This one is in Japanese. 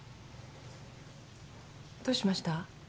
どうしました？